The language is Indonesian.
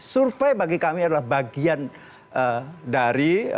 survei bagi kami adalah bagian dari